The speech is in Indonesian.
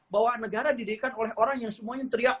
bahwa negara didirikan oleh orang yang semuanya teriak